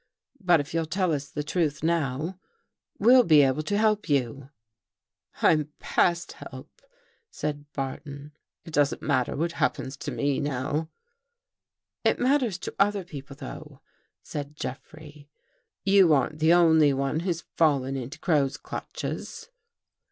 But If you'll tell us the truth now, we'll be able to help you." " I'm past help," said Barton. " It doesn't mat ter what happens to me." " It matters to other people, though," said Jeff rey. "You aren't the only one who's fallen into Crow's clutches."